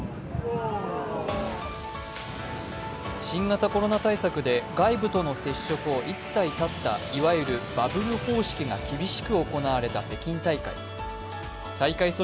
新型コロナ対策で外部との接触を一切たったいわゆるバブル方式が厳しく行われた北京大会。